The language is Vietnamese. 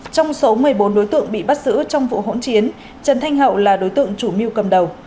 trong số một mươi bốn đối tượng bị bắt giữ trong vụ hỗn chiến trần thanh hậu là đối tượng chủ mưu cầm đầu